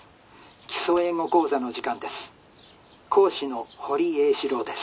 『基礎英語講座』の時間です。